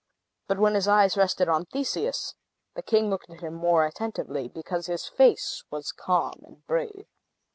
But when his eyes rested on Theseus, the king looked at him more attentively, because his face was calm and brave.